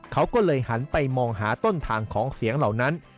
เขาก็เลยหันไปมองหาต้นทางของเสียงเหล่านั้น